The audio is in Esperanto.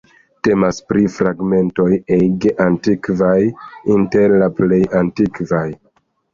Temas pri fragmentoj ege antikvaj, inter la plej antikvaj.